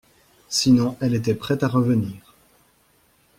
Sinon elle était prête à revenir.